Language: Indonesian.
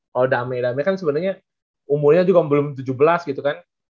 kalau damai damai kan sebenarnya umurnya juga belum tujuh belas gitu kan